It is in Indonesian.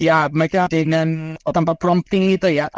ya mereka dengan tanpa prompting itu ya